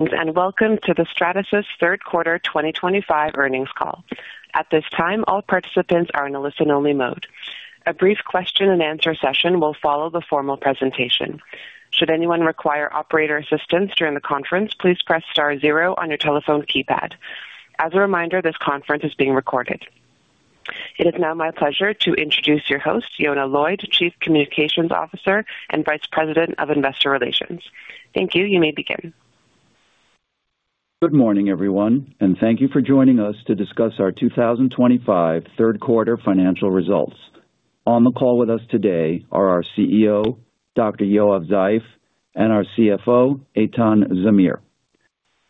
Welcome to the Stratasys Third Quarter 2025 earnings call. At this time, all participants are in a listen-only mode. A brief question-and-answer session will follow the formal presentation. Should anyone require operator assistance during the conference, please press star zero on your telephone keypad. As a reminder, this conference is being recorded. It is now my pleasure to introduce your host, Yonah Lloyd, Chief Communications Officer and Vice President of Investor Relations. Thank you. You may begin. Good morning, everyone, and thank you for joining us to discuss our 2025 Third Quarter financial results. On the call with us today are our CEO, Dr. Yoav Zeif, and our CFO, Eitan Zamir.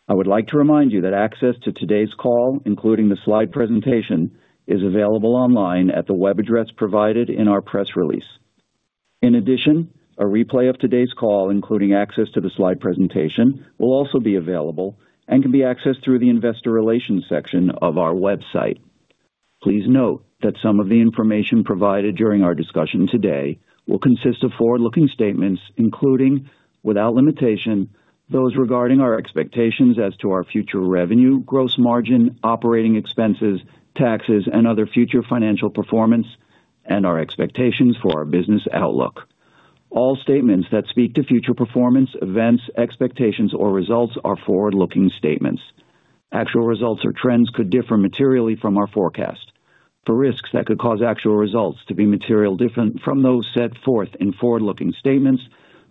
I would like to remind you that access to today's call, including the slide presentation, is available online at the web address provided in our press release. In addition, a replay of today's call, including access to the slide presentation, will also be available and can be accessed through the Investor Relations section of our website. Please note that some of the information provided during our discussion today will consist of forward-looking statements, including, without limitation, those regarding our expectations as to our future revenue, gross margin, operating expenses, taxes, and other future financial performance, and our expectations for our business outlook. All statements that speak to future performance, events, expectations, or results are forward-looking statements. Actual results or trends could differ materially from our forecast. For risks that could cause actual results to be materially different from those set forth in forward-looking statements,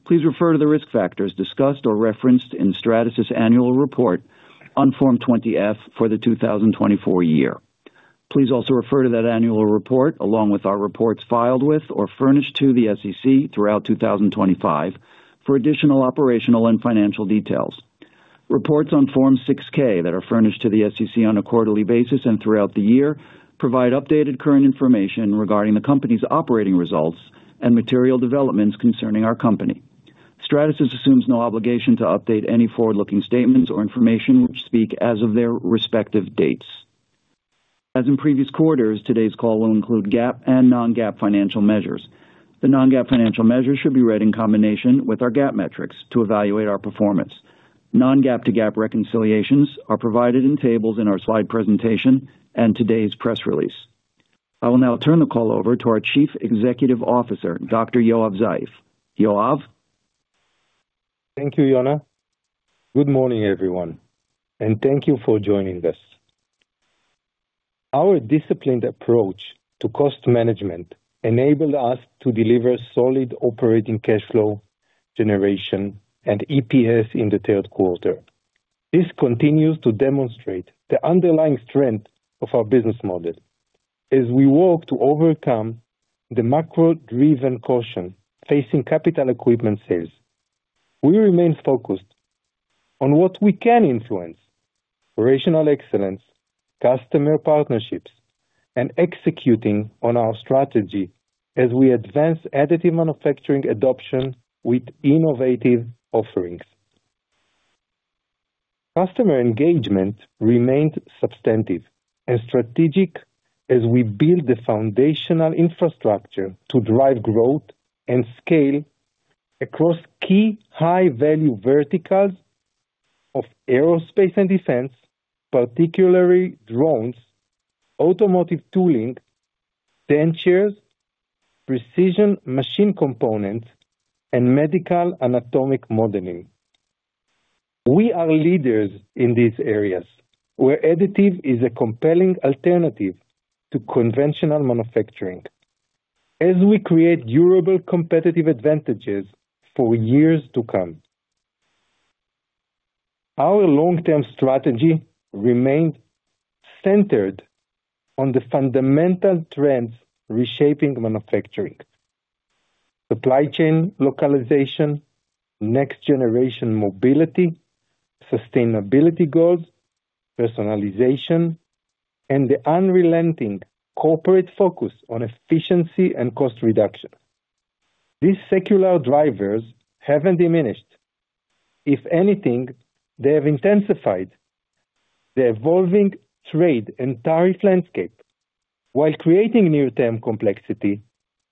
please refer to the risk factors discussed or referenced in Stratasys' annual report on Form 20-F for the 2024 year. Please also refer to that annual report, along with our reports filed with or furnished to the SEC throughout 2025, for additional operational and financial details. Reports on Form 6-K that are furnished to the SEC on a quarterly basis and throughout the year provide updated current information regarding the company's operating results and material developments concerning our company. Stratasys assumes no obligation to update any forward-looking statements or information which speak as of their respective dates. As in previous quarters, today's call will include GAAP and non-GAAP financial measures. The non-GAAP financial measures should be read in combination with our GAAP metrics to evaluate our performance. Non-GAAP to GAAP reconciliations are provided in tables in our slide presentation and today's press release. I will now turn the call over to our Chief Executive Officer, Dr. Yoav Zeif. Yoav? Thank you, Yonah. Good morning, everyone, and thank you for joining us. Our disciplined approach to cost management enabled us to deliver solid operating cash flow generation and EPS in the third quarter. This continues to demonstrate the underlying strength of our business model as we work to overcome the macro-driven caution facing capital equipment sales. We remain focused on what we can influence, operational excellence, customer partnerships, and executing on our strategy as we advance additive manufacturing adoption with innovative offerings. Customer engagement remained substantive and strategic as we build the foundational infrastructure to drive growth and scale across key high-value verticals of aerospace and defense, particularly drones, automotive tooling, dentures, precision machine components, and medical anatomic modeling. We are leaders in these areas, where additive is a compelling alternative to conventional manufacturing, as we create durable competitive advantages for years to come. Our long-term strategy remained centered on the fundamental trends reshaping manufacturing: supply chain localization, next-generation mobility, sustainability goals, personalization, and the unrelenting corporate focus on efficiency and cost reduction. These secular drivers have not diminished. If anything, they have intensified the evolving trade and tariff landscape while creating near-term complexity,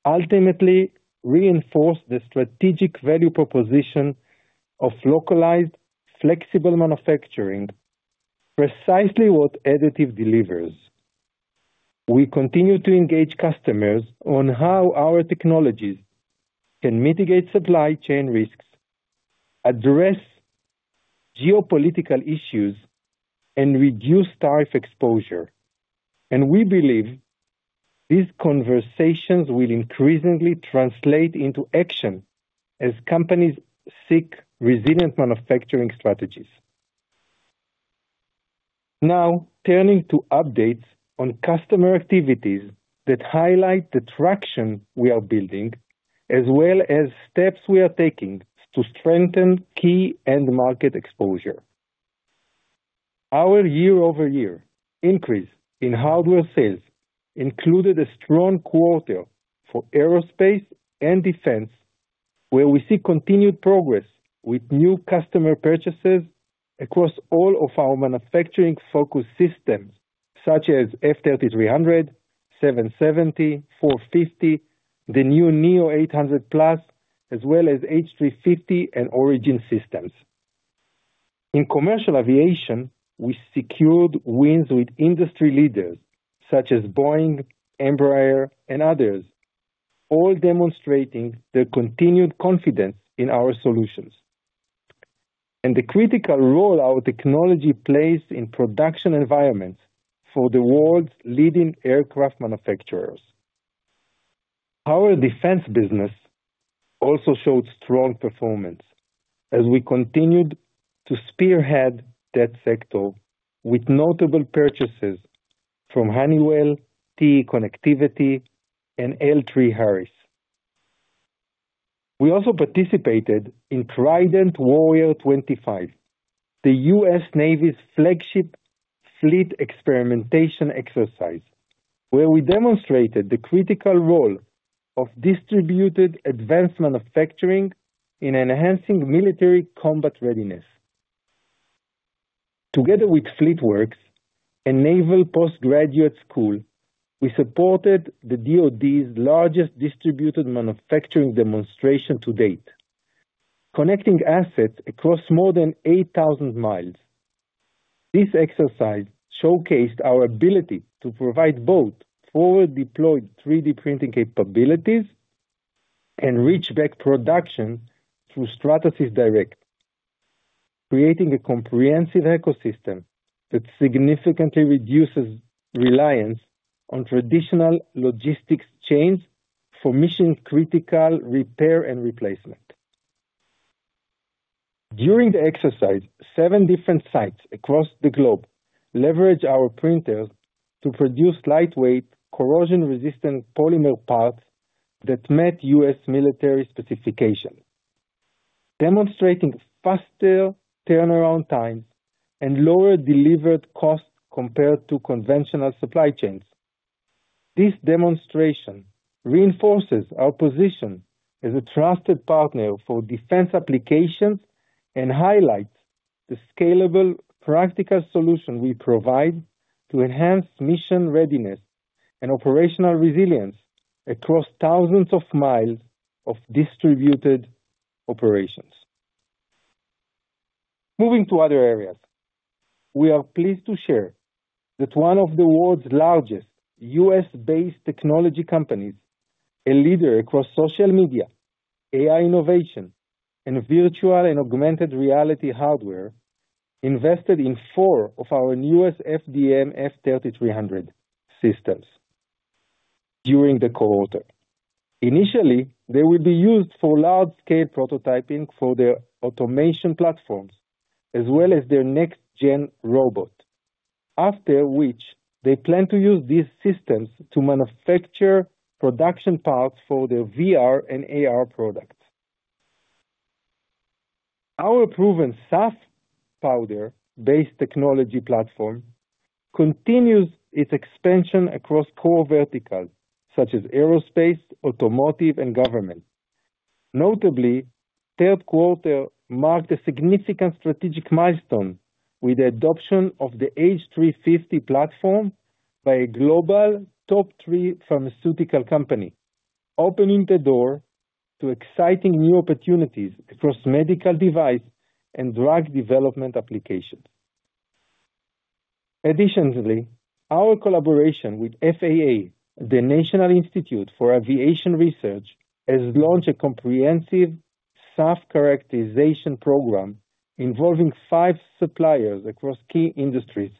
ultimately reinforcing the strategic value proposition of localized, flexible manufacturing, precisely what additive delivers. We continue to engage customers on how our technologies can mitigate supply chain risks, address geopolitical issues, and reduce tariff exposure. We believe these conversations will increasingly translate into action as companies seek resilient manufacturing strategies. Now, turning to updates on customer activities that highlight the traction we are building, as well as steps we are taking to strengthen key end-market exposure. Our year-over-year increase in hardware sales included a strong quarter for aerospace and defense, where we see continued progress with new customer purchases across all of our manufacturing-focused systems, such as F-3300, 770, 450, the new Neo 800 Plus, as well as H-350 and Origin systems. In commercial aviation, we secured wins with industry leaders such as Boeing, Embraer, and others, all demonstrating the continued confidence in our solutions and the critical role our technology plays in production environments for the world's leading aircraft manufacturers. Our defense business also showed strong performance as we continued to spearhead that sector with notable purchases from Honeywell, TE Connectivity, and L3Harris. We also participated in Trident Warrior 25, the U.S. Navy's flagship fleet experimentation exercise, where we demonstrated the critical role of distributed advanced manufacturing in enhancing military combat readiness. Together with Fleetwerx, a Naval Postgraduate School, we supported the DOD's largest distributed manufacturing demonstration to date, connecting assets across more than 8,000 mi. This exercise showcased our ability to provide both forward-deployed 3D printing capabilities and reach-back production through Stratasys Direct, creating a comprehensive ecosystem that significantly reduces reliance on traditional logistics chains for mission-critical repair and replacement. During the exercise, seven different sites across the globe leveraged our printers to produce lightweight, corrosion-resistant polymer parts that met U.S. military specifications, demonstrating faster turnaround times and lower delivered costs compared to conventional supply chains. This demonstration reinforces our position as a trusted partner for defense applications and highlights the scalable, practical solution we provide to enhance mission readiness and operational resilience across thousands of miles of distributed operations. Moving to other areas, we are pleased to share that one of the world's largest U.S.-based technology companies, a leader across social media, AI innovation, and virtual and augmented reality hardware, invested in four of our newest FDM F3300 systems during the quarter. Initially, they will be used for large-scale prototyping for their automation platforms, as well as their next-gen robot, after which they plan to use these systems to manufacture production parts for their VR and AR products. Our proven SAF powder-based technology platform continues its expansion across core verticals such as aerospace, automotive, and government. Notably, third quarter marked a significant strategic milestone with the adoption of the H-350 platform by a global top-three pharmaceutical company, opening the door to exciting new opportunities across medical device and drug development applications. Additionally, our collaboration with FAA, the National Institute for Aviation Research, has launched a comprehensive SAF characterization program involving five suppliers across key industries,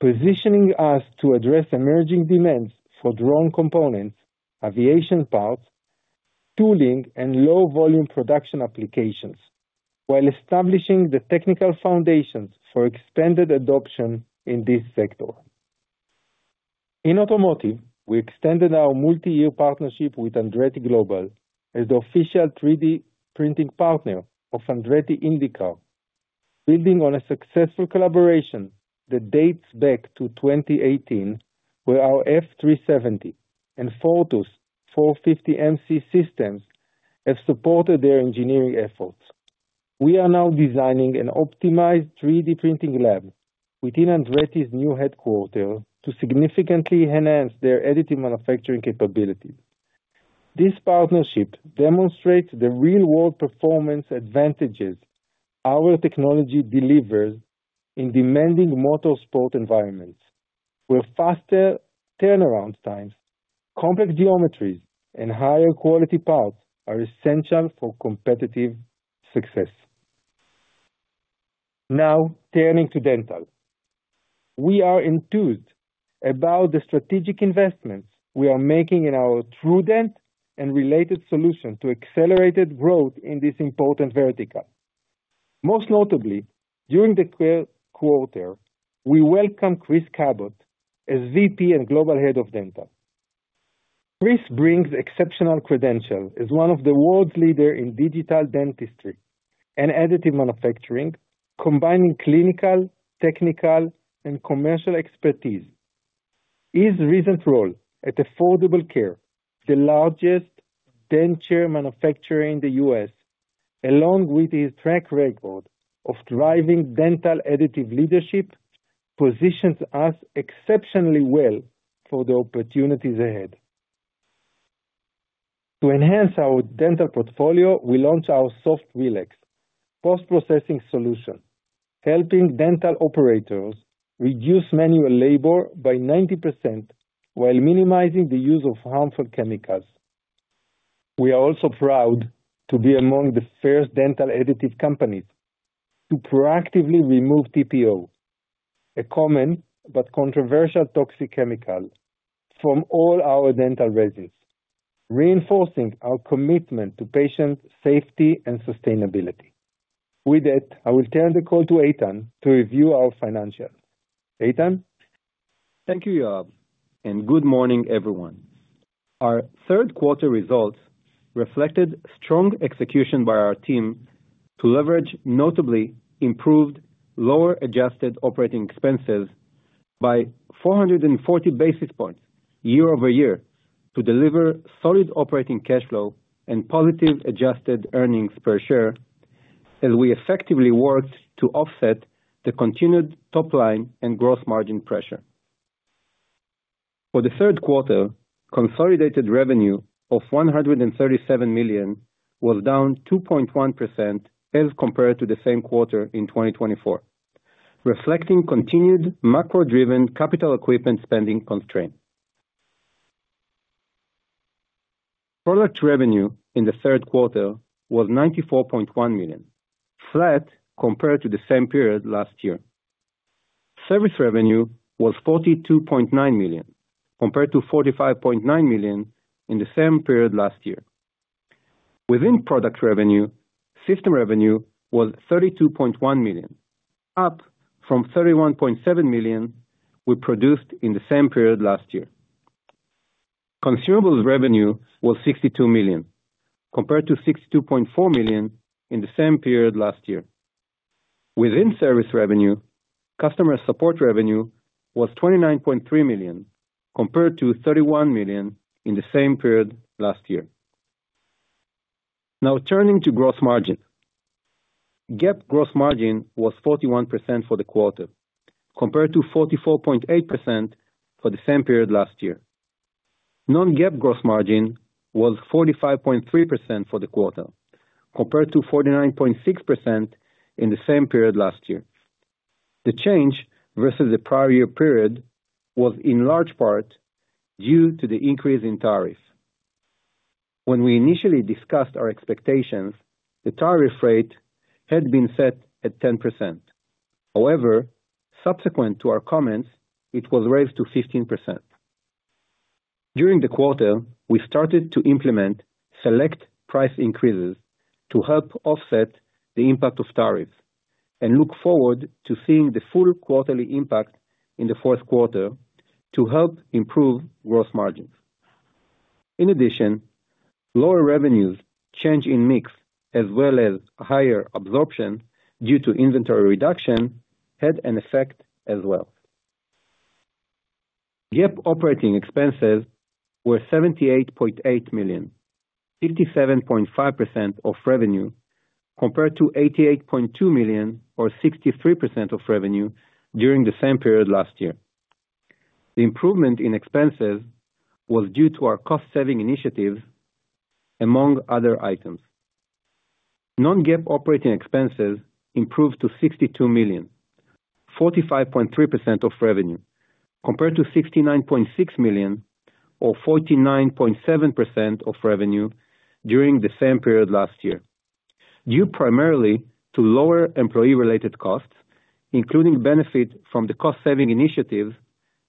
positioning us to address emerging demands for drone components, aviation parts, tooling, and low-volume production applications, while establishing the technical foundations for expanded adoption in this sector. In automotive, we extended our multi-year partnership with Andretti Global as the official 3D printing partner of Andretti Indica, building on a successful collaboration that dates back to 2018, where our F-370 and Fortus 450mc systems have supported their engineering efforts. We are now designing an optimized 3D printing lab within Andretti's new headquarters to significantly enhance their additive manufacturing capabilities. This partnership demonstrates the real-world performance advantages our technology delivers in demanding motorsport environments, where faster turnaround times, complex geometries, and higher quality parts are essential for competitive success. Now, turning to dental, we are enthused about the strategic investments we are making in our TrueDent and related solutions to accelerated growth in this important vertical. Most notably, during the quarter, we welcomed Chris Cabot as VP and Global Head of Dental. Chris brings exceptional credentials as one of the world's leaders in digital dentistry and additive manufacturing, combining clinical, technical, and commercial expertise. His recent role at Affordable Care, the largest denture manufacturer in the U.S., along with his track record of driving dental additive leadership, positions us exceptionally well for the opportunities ahead. To enhance our dental portfolio, we launched our Soft Relax, a post-processing solution, helping dental operators reduce manual labor by 90% while minimizing the use of harmful chemicals. We are also proud to be among the first dental additive companies to proactively remove TPO, a common but controversial toxic chemical, from all our dental resins, reinforcing our commitment to patient safety and sustainability. With that, I will turn the call to Eitan to review our financials. Eitan? Thank you, Yoav, and good morning, everyone. Our third quarter results reflected strong execution by our team to leverage, notably, improved lower-adjusted operating expenses by 440 basis points year-over-year to deliver solid operating cash flow and positive adjusted earnings per share, as we effectively worked to offset the continued top line and gross margin pressure. For the third quarter, consolidated revenue of $137 million was down 2.1% as compared to the same quarter in 2024, reflecting continued macro-driven capital equipment spending constraints. Product revenue in the third quarter was $94.1 million, flat compared to the same period last year. Service revenue was $42.9 million, compared to $45.9 million in the same period last year. Within product revenue, system revenue was $32.1 million, up from $31.7 million we produced in the same period last year. Consumables revenue was $62 million, compared to $62.4 million in the same period last year. Within service revenue, customer support revenue was $29.3 million, compared to $31 million in the same period last year. Now, turning to gross margin. GAAP gross margin was 41% for the quarter, compared to 44.8% for the same period last year. Non-GAAP gross margin was 45.3% for the quarter, compared to 49.6% in the same period last year. The change versus the prior year period was, in large part, due to the increase in tariffs. When we initially discussed our expectations, the tariff rate had been set at 10%. However, subsequent to our comments, it was raised to 15%. During the quarter, we started to implement select price increases to help offset the impact of tariffs and look forward to seeing the full quarterly impact in the fourth quarter to help improve gross margins. In addition, lower revenues, change in mix, as well as higher absorption due to inventory reduction had an effect as well. GAAP operating expenses were $78.8 million, 57.5% of revenue, compared to $88.2 million, or 63% of revenue, during the same period last year. The improvement in expenses was due to our cost-saving initiatives, among other items. Non-GAAP operating expenses improved to $62 million, 45.3% of revenue, compared to $69.6 million, or 49.7% of revenue, during the same period last year, due primarily to lower employee-related costs, including benefits from the cost-saving initiatives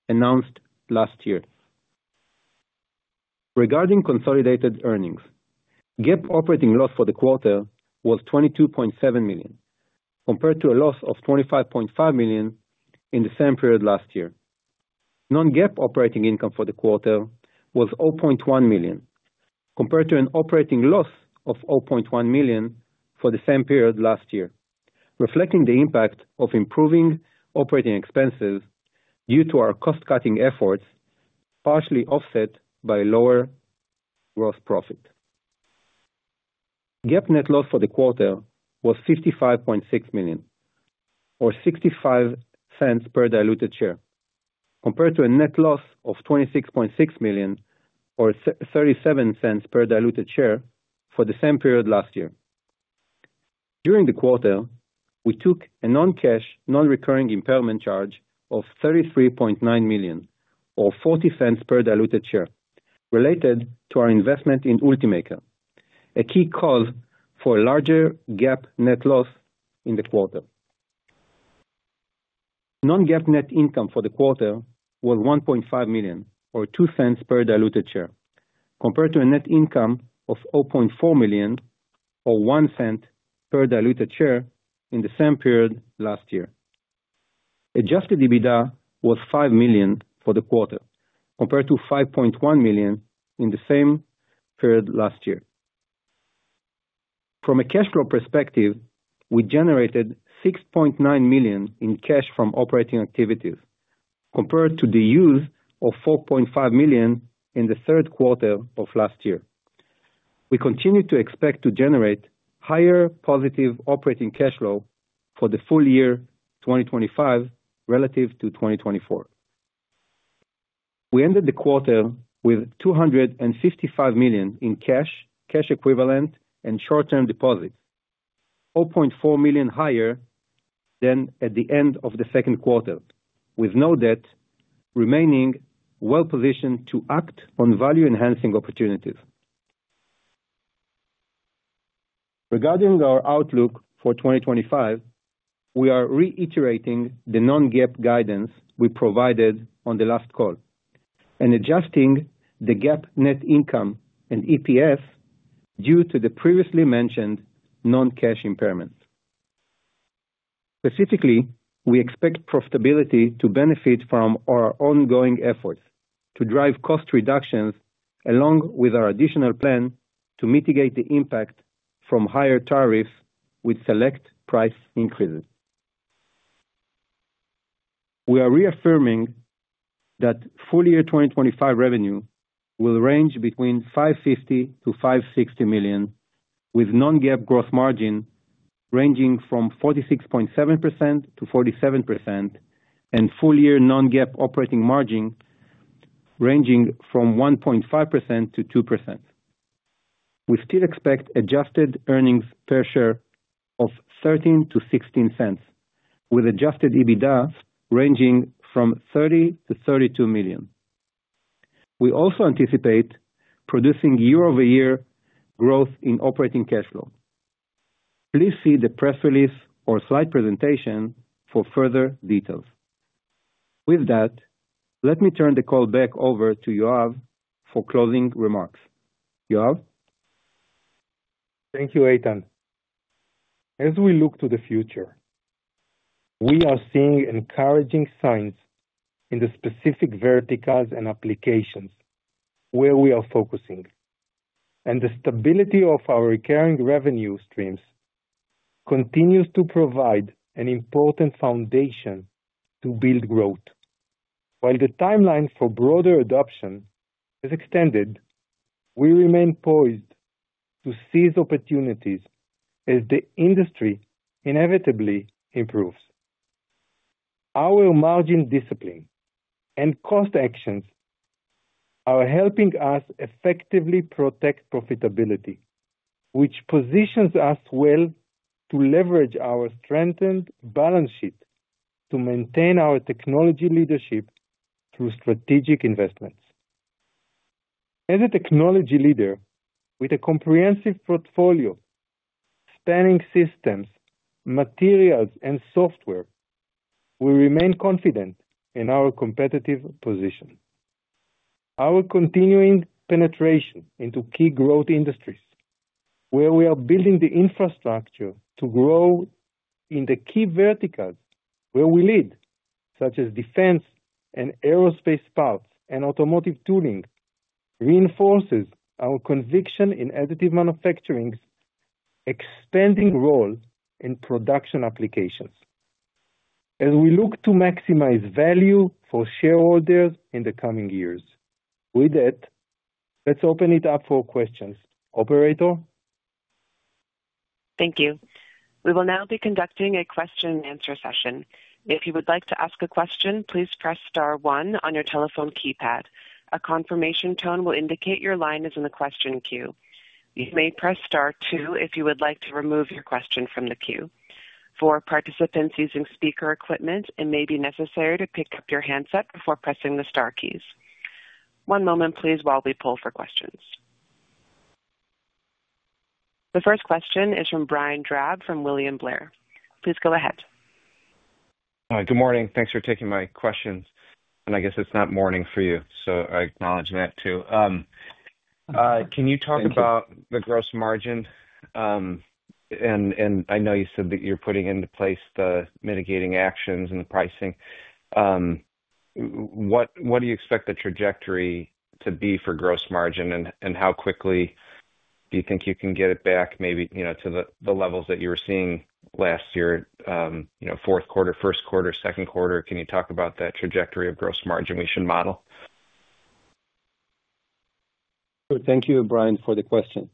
announced last year. Regarding consolidated earnings, GAAP operating loss for the quarter was $22.7 million, compared to a loss of $25.5 million in the same period last year. Non-GAAP operating income for the quarter was $0.1 million, compared to an operating loss of $0.1 million for the same period last year, reflecting the impact of improving operating expenses due to our cost-cutting efforts, partially offset by lower gross profit. GAAP net loss for the quarter was $55.6 million, or $0.65 per diluted share, compared to a net loss of $26.6 million, or $0.37 per diluted share for the same period last year. During the quarter, we took a non-cash, non-recurring impairment charge of $33.9 million, or $0.40 per diluted share, related to our investment in UltiMaker, a key cause for a larger GAAP net loss in the quarter. Non-GAAP net income for the quarter was $1.5 million, or $0.02 per diluted share, compared to a net income of $0.4 million, or $0.01 per diluted share in the same period last year. Adjusted EBITDA was $5 million for the quarter, compared to $5.1 million in the same period last year. From a cash flow perspective, we generated $6.9 million in cash from operating activities, compared to the use of $4.5 million in the third quarter of last year. We continue to expect to generate higher positive operating cash flow for the full year 2025 relative to 2024. We ended the quarter with $255 million in cash, cash equivalent, and short-term deposits, $0.4 million higher than at the end of the second quarter, with no debt remaining, well-positioned to act on value-enhancing opportunities. Regarding our outlook for 2025, we are reiterating the non-GAAP guidance we provided on the last call and adjusting the GAAP net income and EPS due to the previously mentioned non-cash impairment. Specifically, we expect profitability to benefit from our ongoing efforts to drive cost reductions, along with our additional plan to mitigate the impact from higher tariffs with select price increases. We are reaffirming that full year 2025 revenue will range between $550 million-$560 million, with non-GAAP gross margin ranging from 46.7%-47% and full year non-GAAP operating margin ranging from 1.5%-2%. We still expect adjusted earnings per share of $0.13-$0.16, with adjusted EBITDA ranging from $30 million-$32 million. We also anticipate producing year-over-year growth in operating cash flow. Please see the press release or slide presentation for further details. With that, let me turn the call back over to Yoav for closing remarks. Yoav? Thank you, Eitan. As we look to the future, we are seeing encouraging signs in the specific verticals and applications where we are focusing, and the stability of our recurring revenue streams continues to provide an important foundation to build growth. While the timeline for broader adoption is extended, we remain poised to seize opportunities as the industry inevitably improves. Our margin discipline and cost actions are helping us effectively protect profitability, which positions us well to leverage our strengthened balance sheet to maintain our technology leadership through strategic investments. As a technology leader with a comprehensive portfolio spanning systems, materials, and software, we remain confident in our competitive position. Our continuing penetration into key growth industries, where we are building the infrastructure to grow in the key verticals where we lead, such as defense and aerospace parts and automotive tooling, reinforces our conviction in additive manufacturing's expanding role in production applications. As we look to maximize value for shareholders in the coming years, with that, let's open it up for questions. Operator? Thank you. We will now be conducting a question-and-answer session. If you would like to ask a question, please press star one on your telephone keypad. A confirmation tone will indicate your line is in the question queue. You may press star two if you would like to remove your question from the queue. For participants using speaker equipment, it may be necessary to pick up your handset before pressing the star keys. One moment, please, while we pull for questions. The first question is from Brian Drab from William Blair. Please go ahead. Hi. Good morning. Thanks for taking my questions. I guess it's not morning for you, so I acknowledge that too. Can you talk about the gross margin? I know you said that you're putting into place the mitigating actions and the pricing. What do you expect the trajectory to be for gross margin, and how quickly do you think you can get it back, maybe to the levels that you were seeing last year, fourth quarter, first quarter, second quarter? Can you talk about that trajectory of gross margin we should model? Good. Thank you, Brian, for the question.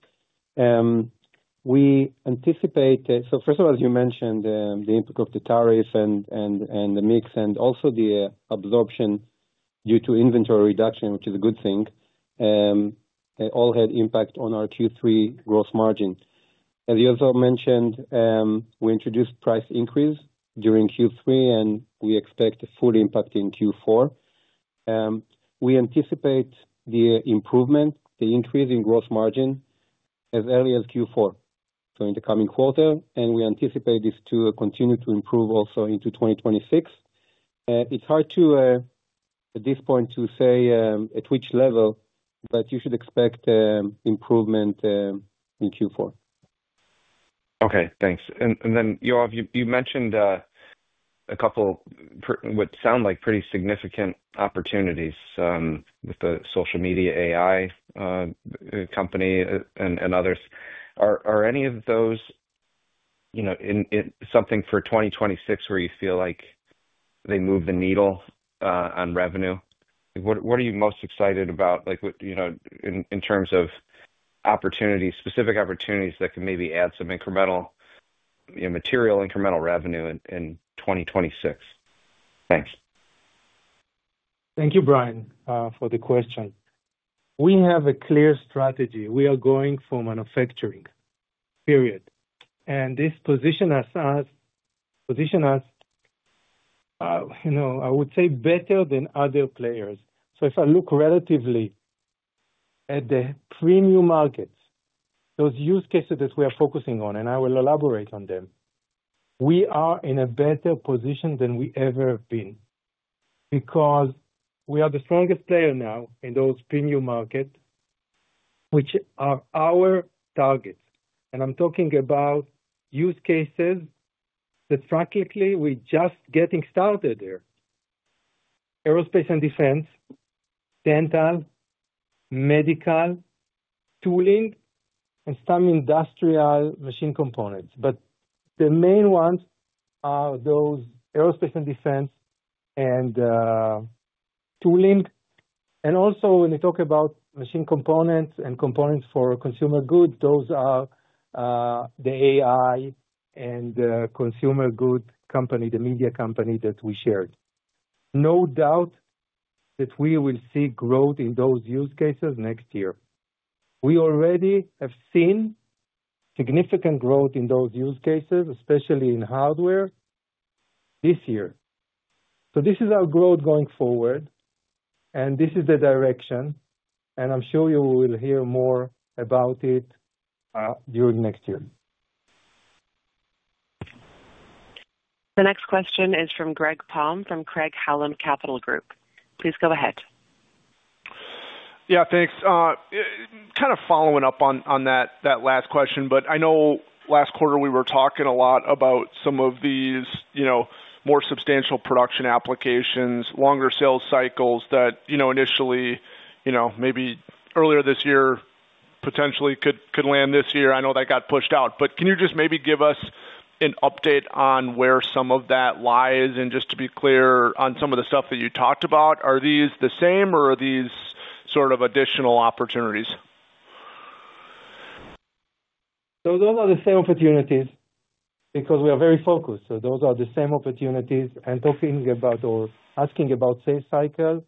We anticipate that, so first of all, as you mentioned, the impact of the tariff and the mix, and also the absorption due to inventory reduction, which is a good thing, all had impact on our Q3 gross margin. As you also mentioned, we introduced price increase during Q3, and we expect a full impact in Q4. We anticipate the improvement, the increase in gross margin, as early as Q4, in the coming quarter, and we anticipate this to continue to improve also into 2026. It's hard to, at this point, to say at which level, but you should expect improvement in Q4. Okay. Thanks. Then, Yoav, you mentioned a couple of what sound like pretty significant opportunities with the social media AI company and others. Are any of those something for 2026 where you feel like they move the needle on revenue? What are you most excited about in terms of specific opportunities that can maybe add some incremental material, incremental revenue in 2026? Thanks. Thank you, Brian, for the question. We have a clear strategy. We are going for manufacturing, period. This positions us, I would say, better than other players. If I look relatively at the premium markets, those use cases that we are focusing on, and I will elaborate on them, we are in a better position than we ever have been because we are the strongest player now in those premium markets, which are our targets. I am talking about use cases that, frankly, we are just getting started there aerospace and defense, dental, medical, tooling, and some industrial machine components. The main ones are those aerospace and defense and tooling. Also, when we talk about machine components and components for consumer goods, those are the AI and consumer good company, the media company that we shared. No doubt that we will see growth in those use cases next year. We already have seen significant growth in those use cases, especially in hardware, this year. This is our growth going forward, and this is the direction. I'm sure you will hear more about it during next year. The next question is from Greg Palm from Craig Hallum Capital Group. Please go ahead. Yeah. Thanks. Kind of following up on that last question, but I know last quarter we were talking a lot about some of these more substantial production applications, longer sales cycles that initially, maybe earlier this year, potentially could land this year. I know that got pushed out. Can you just maybe give us an update on where some of that lies? Just to be clear on some of the stuff that you talked about, are these the same, or are these sort of additional opportunities? Those are the same opportunities because we are very focused. Those are the same opportunities. Talking about or asking about sales cycle,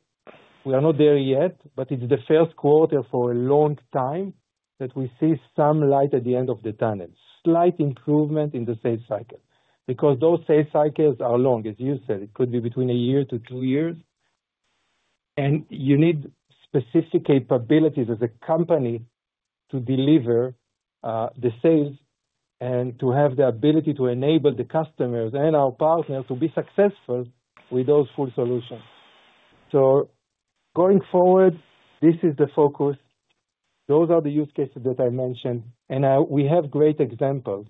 we are not there yet, but it's the first quarter for a long time that we see some light at the end of the tunnel, slight improvement in the sales cycle because those sales cycles are long, as you said. It could be between a year to two years. You need specific capabilities as a company to deliver the sales and to have the ability to enable the customers and our partners to be successful with those full solutions. Going forward, this is the focus. Those are the use cases that I mentioned, and we have great examples.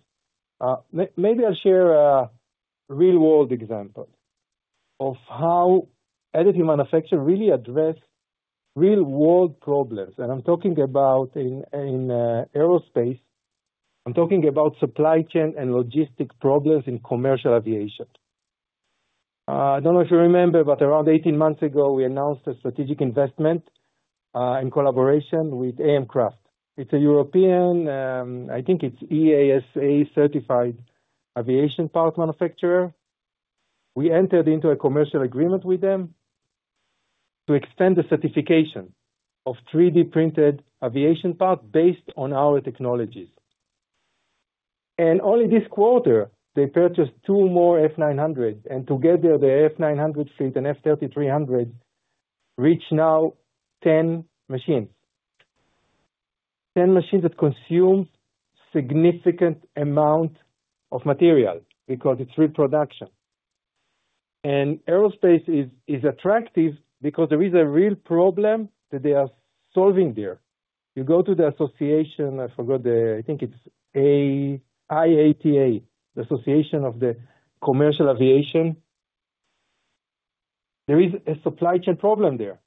Maybe I'll share a real-world example of how additive manufacturing really addresses real-world problems. I'm talking about in aerospace. I'm talking about supply chain and logistic problems in commercial aviation. I don't know if you remember, but around 18 months ago, we announced a strategic investment in collaboration with AM Craft. It's a European, I think it's EASA-certified aviation parts manufacturer. We entered into a commercial agreement with them to extend the certification of 3D-printed aviation parts based on our technologies. Only this quarter, they purchased two more F900s. Together, the F900 fleet and F3300s reach now 10 machines, 10 machines that consume a significant amount of material because it's reproduction. Aerospace is attractive because there is a real problem that they are solving there. You go to the association—I forgot the—I think it's IATA, the Association of the Commercial Aviation. There is a supply chain problem there.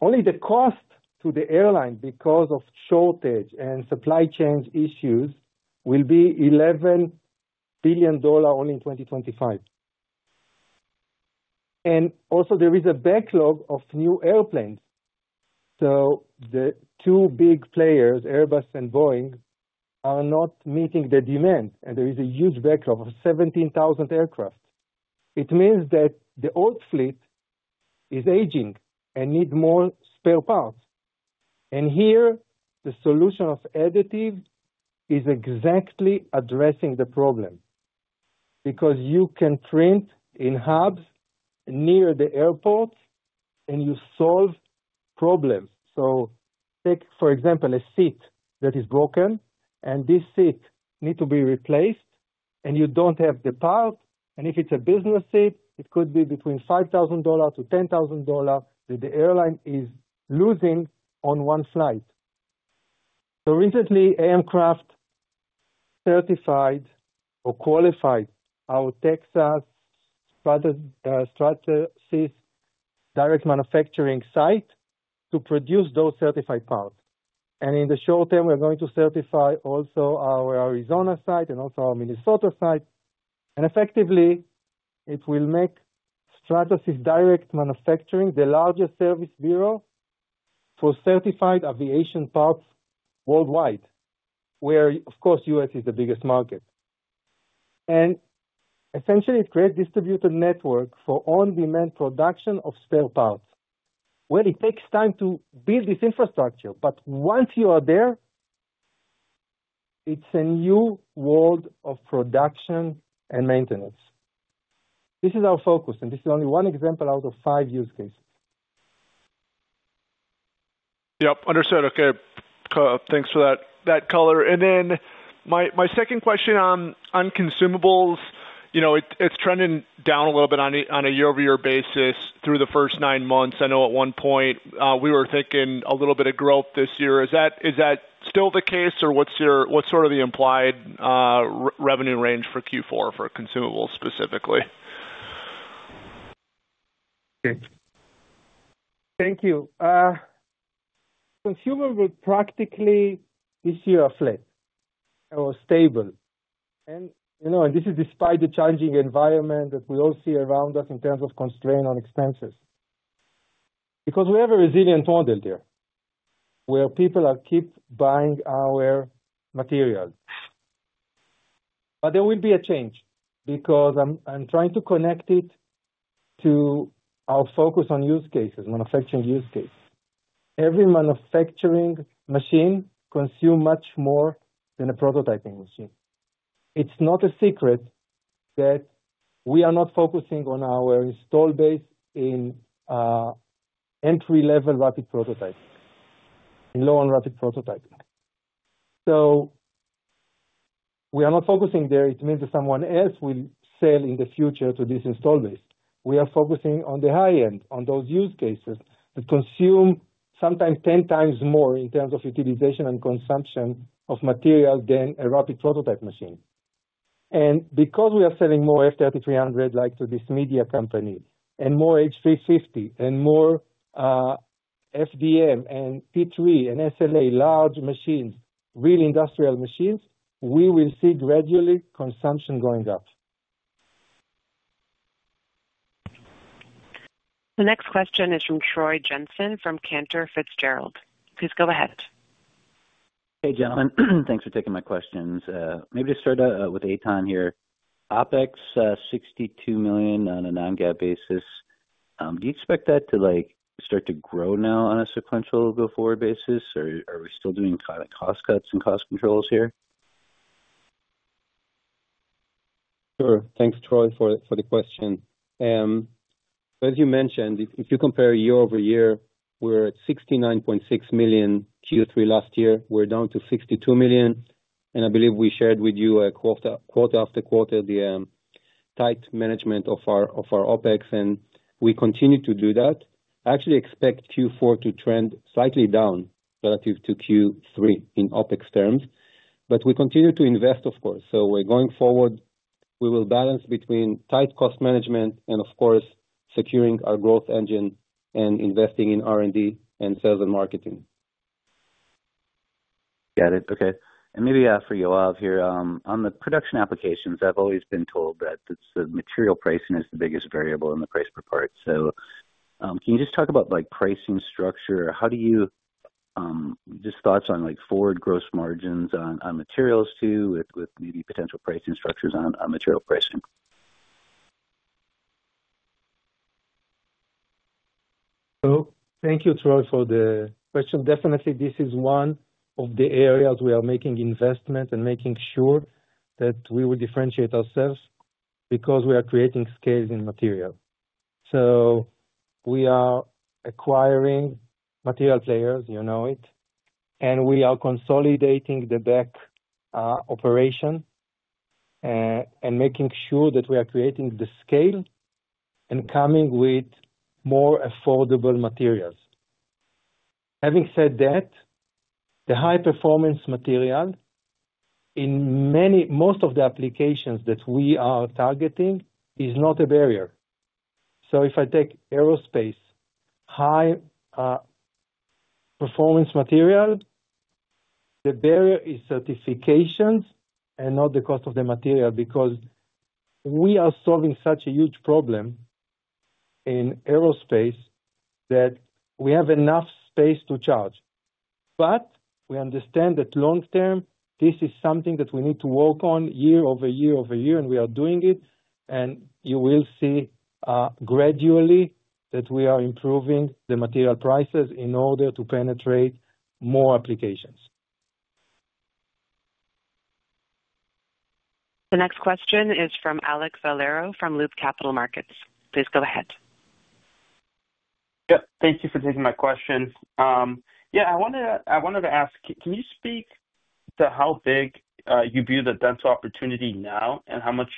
Only the cost to the airline because of shortage and supply chain issues will be $11 billion only in 2025. Also, there is a backlog of new airplanes. The two big players, Airbus and Boeing, are not meeting the demand, and there is a huge backlog of 17,000 aircraft. It means that the old fleet is aging and needs more spare parts. Here, the solution of additive is exactly addressing the problem because you can print in hubs near the airports, and you solve problems. Take, for example, a seat that is broken, and this seat needs to be replaced, and you do not have the part. If it is a business seat, it could be between $5,000-$10,000 that the airline is losing on one flight. Recently, AM Craft certified or qualified our Texas Stratasys Direct Manufacturing site to produce those certified parts. In the short term, we're going to certify also our Arizona site and also our Minnesota site. Effectively, it will make Stratasys Direct Manufacturing the largest service bureau for certified aviation parts worldwide, where, of course, the U.S. is the biggest market. Essentially, it creates a distributed network for on-demand production of spare parts. It takes time to build this infrastructure, but once you are there, it's a new world of production and maintenance. This is our focus, and this is only one example out of five use cases. Yep. Understood. Okay. Thanks for that color. My second question on consumables, it's trending down a little bit on a year-over-year basis through the first nine months. I know at one point, we were thinking a little bit of growth this year. Is that still the case, or what's sort of the implied revenue range for Q4 for consumables specifically? Okay. Thank you. Consumables practically this year are flat or stable. This is despite the challenging environment that we all see around us in terms of constraint on expenses because we have a resilient model there where people keep buying our material. There will be a change because I'm trying to connect it to our focus on use cases, manufacturing use cases. Every manufacturing machine consumes much more than a prototyping machine. It's not a secret that we are not focusing on our install base in entry-level rapid prototyping, in low-end rapid prototyping. We are not focusing there. It means that someone else will sell in the future to this install base. We are focusing on the high-end, on those use cases that consume sometimes 10 times more in terms of utilization and consumption of material than a rapid prototype machine. Because we are selling more F3300 to this media company and more H350 and more FDM and P3 and SLA, large machines, really industrial machines, we will see gradually consumption going up. The next question is from Troy Jensen from Cantor Fitzgerald. Please go ahead. Hey, gentlemen. Thanks for taking my questions. Maybe to start out with Eitan here, OpEx, $62 million on a non-GAAP basis. Do you expect that to start to grow now on a sequential go-forward basis, or are we still doing kind of cost cuts and cost controls here? Sure. Thanks, Troy, for the question. As you mentioned, if you compare year-over-year, we're at $69.6 million Q3 last year. We're down to $62 million. I believe we shared with you quarter after quarter, the tight management of our OpEx, and we continue to do that. I actually expect Q4 to trend slightly down relative to Q3 in OpEx terms. We continue to invest, of course. We will balance between tight cost management and, of course, securing our growth engine and investing in R&D and sales and marketing. Got it. Okay. Maybe for Yoav here, on the production applications, I've always been told that the material pricing is the biggest variable in the price per part. Can you just talk about pricing structure? How do you just thoughts on forward gross margins on materials too with maybe potential pricing structures on material pricing? Thank you, Troy, for the question. Definitely, this is one of the areas we are making investment and making sure that we will differentiate ourselves because we are creating scales in material. We are acquiring material players, you know it, and we are consolidating the back operation and making sure that we are creating the scale and coming with more affordable materials. Having said that, the high-performance material in most of the applications that we are targeting is not a barrier. If I take aerospace, high-performance material, the barrier is certifications and not the cost of the material because we are solving such a huge problem in aerospace that we have enough space to charge. We understand that long-term, this is something that we need to work on year-over-year over year, and we are doing it. You will see gradually that we are improving the material prices in order to penetrate more applications. The next question is from Alek Valero from Loop Capital Markets. Please go ahead. Yep. Thank you for taking my question. Yeah. I wanted to ask, can you speak to how big you view the dental opportunity now and how much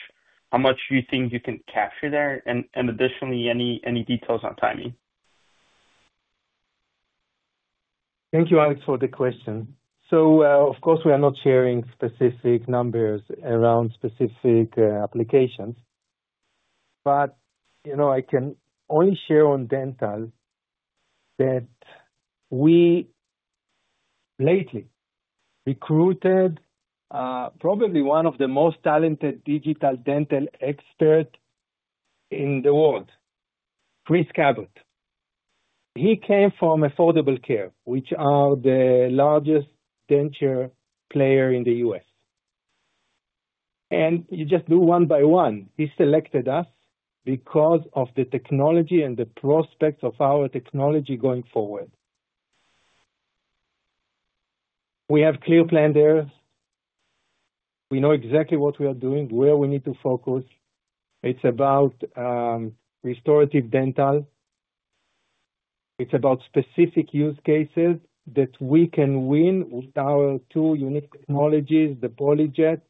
you think you can capture there? Additionally, any details on timing? Thank you, Alek, for the question. Of course, we are not sharing specific numbers around specific applications. I can only share on dental that we lately recruited probably one of the most talented digital dental experts in the world, Chris Cabot. He came from Affordable Care, which are the largest denture player in the U.S. You just do one by one. He selected us because of the technology and the prospects of our technology going forward. We have a clear plan there. We know exactly what we are doing, where we need to focus. It is about restorative dental. It is about specific use cases that we can win with our two unique technologies, the PolyJet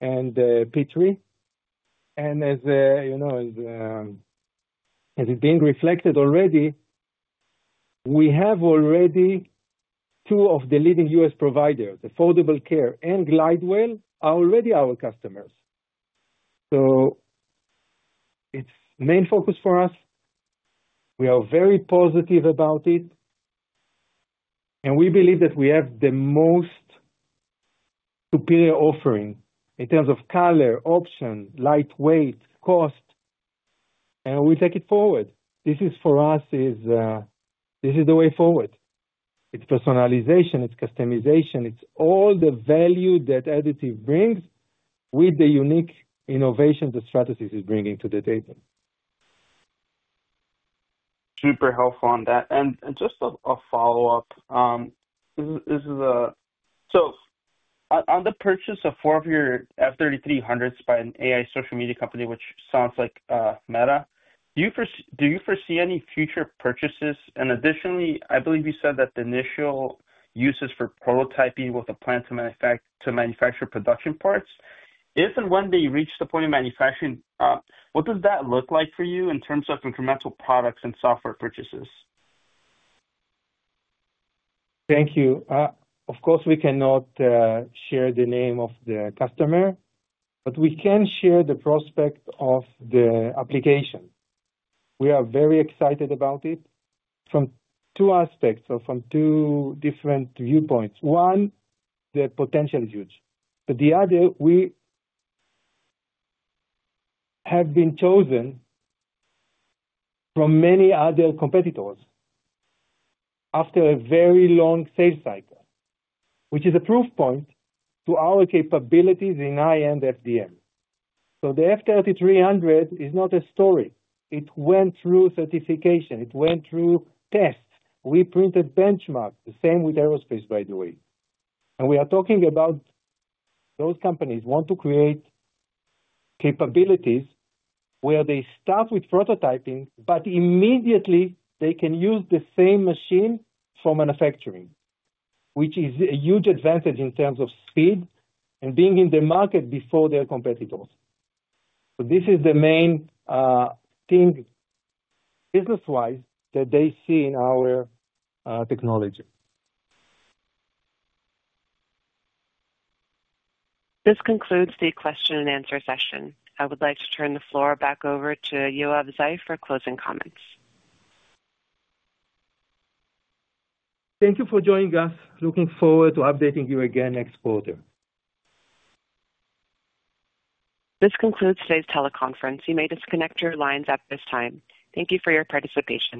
and the P3. As it is being reflected already, we have already two of the leading U.S. providers, Affordable Care and Glidewell, are already our customers. It is the main focus for us. We are very positive about it. We believe that we have the most superior offering in terms of color, options, lightweight, cost. We take it forward. This is, for us, the way forward. It is personalization. It is customization. It is all the value that additive brings with the unique innovations that Stratasys is bringing to the table. Super helpful on that. Just a follow-up. On the purchase of four of your F3300s by an AI social media company, which sounds like Meta, do you foresee any future purchases? Additionally, I believe you said that the initial use is for prototyping with a plan to manufacture production parts. If and when they reach the point of manufacturing, what does that look like for you in terms of incremental products and software purchases? Thank you. Of course, we cannot share the name of the customer, but we can share the prospect of the application. We are very excited about it from two aspects or from two different viewpoints. One, the potential is huge. The other, we have been chosen from many other competitors after a very long sales cycle, which is a proof point to our capabilities in high-end FDM. The F3300 is not a story. It went through certification. It went through tests. We printed benchmarks, the same with Aerospace, by the way. We are talking about those companies who want to create capabilities where they start with prototyping, but immediately they can use the same machine for manufacturing, which is a huge advantage in terms of speed and being in the market before their competitors. This is the main thing business-wise that they see in our technology. This concludes the question-and-answer session. I would like to turn the floor back over to Yoav Zeif for closing comments. Thank you for joining us. Looking forward to updating you again next quarter. This concludes today's teleconference. You may disconnect your lines at this time. Thank you for your participation.